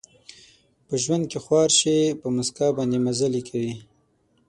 په ژوند کې خوار شي، په مسکا باندې مزلې کوي